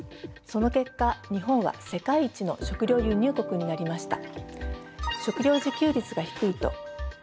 その結果日本は世界一の食料輸入国になりました。